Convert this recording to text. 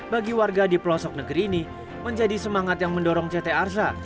bagi warga di pelosok negeri ini menjadi semangat yang mendorong ct arsha